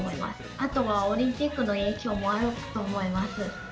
あとはオリンピックの影響もあると思います。